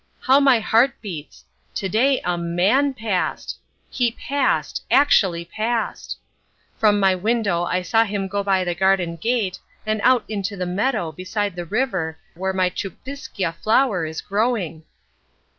How my heart beats. To day A MAN passed. He passed: actually passed. From my window I saw him go by the garden gate and out into the meadow beside the river where my Tchupvskja flower is growing!